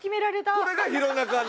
これが弘中アナ。